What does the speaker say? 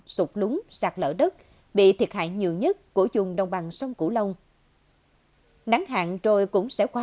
sụt lúng sạt lở đất bị thiệt hại nhiều nhất của vùng đông bằng sông cửu long nắng hạn rồi cũng sẽ qua